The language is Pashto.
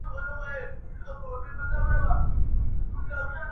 تاوېده لكه زمرى وي چا ويشتلى٫